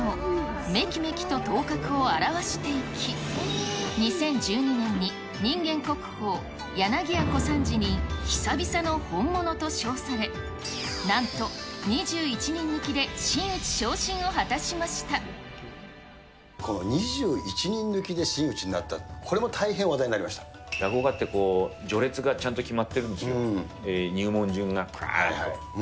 めきめきと頭角を現していき、２０１２年に人間国宝、柳家小三治に久々の本物と称され、なんと２１人抜きで真打昇進を果この２１人抜きで真打になっ落語家ってこう、序列がちゃんと決まってるんですよ、入門順がばーっと。